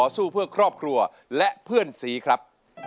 สวัสดีครับ